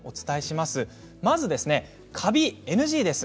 まず、カビはＮＧです。